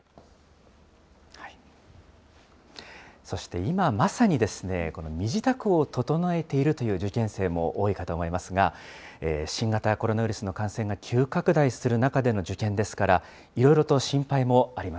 そして、今まさにですね、身支度を整えているという受験生も多いかと思いますが、新型コロナウイルスの感染が急拡大する中での受験ですから、いろ